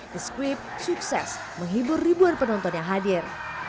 the scrip sukses menghibur ribuan penonton yang hadir